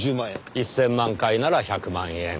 １０００万回なら１００万円。